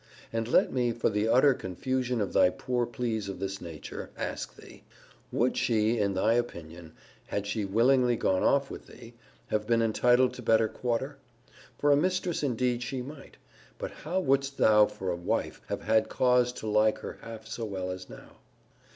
And let me, for the utter confusion of thy poor pleas of this nature, ask thee Would she, in thy opinion, had she willingly gone off with thee, have been entitled to better quarter? For a mistress indeed she might: but how wouldst thou for a wife have had cause to like her half so well as now?